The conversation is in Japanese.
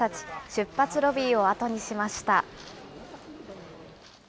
出発ロビーを後にしました。